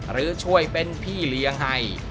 หรือช่วยเป็นพี่เลี้ยงให้